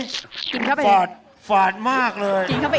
กินเข้าไปฝาดฝาดมากเลย